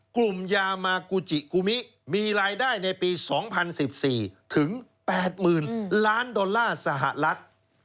กลุ่มยามากูจิกุมิมีรายได้ในปี๒๐๑๔ถึง๘๐๐๐ล้านดอลลาร์สหรัฐ